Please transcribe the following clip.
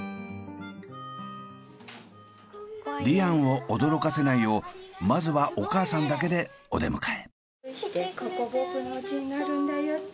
リアンを驚かせないようまずはお母さんだけでお出迎え。